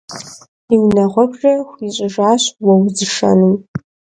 И унагъуэбжэр хуищӏыжащ уэ узышэнум.